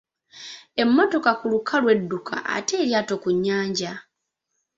Emmotoka ku lukalu edduka ate eryato ku nnyanja?